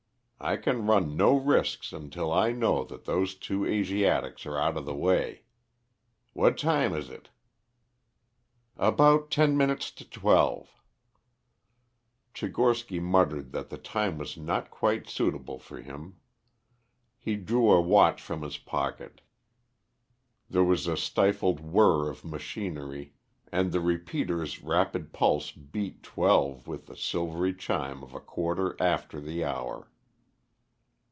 I can run no risks until I know that those two Asiatics are out of the way. What time is it?" "About ten minutes to twelve." Tchigorsky muttered that the time was not quite suitable for him. He drew a watch from his pocket; there was a stifled whirr of machinery, and the repeater's rapid pulse beat twelve with the silvery chime of a quarter after the hour.